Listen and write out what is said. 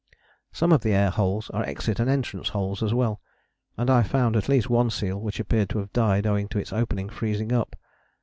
Some of the air holes are exit and entrance holes as well, and I found at least one seal which appeared to have died owing to its opening freezing up.